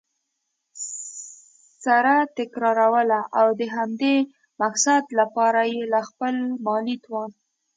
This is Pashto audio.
سره تكراروله؛ او د همدې مقصد له پاره یي له خپل مالي توان